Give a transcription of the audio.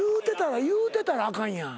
言うてたらあかんやん。